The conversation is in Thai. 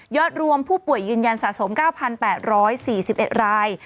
รวมผู้ป่วยยืนยันสะสม๙๘๔๑ราย